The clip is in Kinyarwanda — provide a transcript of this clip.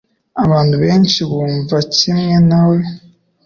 Abantu benshi bumva kimwe nawe.